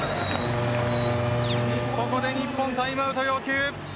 ここで日本タイムアウト要求。